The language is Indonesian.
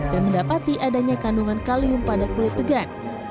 dan mendapati adanya kandungan kalium pada kulit tegan